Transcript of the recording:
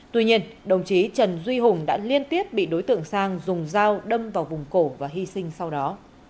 tuy nhiên đồng chí trần duy hùng đã liên tiếp bị đối tượng sang dùng dao đâm vào vùng cổ và hy sinh sau đó